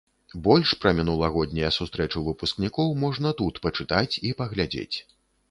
Больш пра мінулагоднія сустрэчы выпускнікоў можна тут пачытаць і паглядзець.